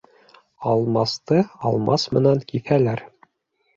Алмасты алмас менән киҫәләр.